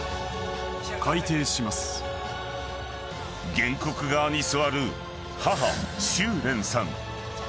［原告側に座る母秋蓮さん］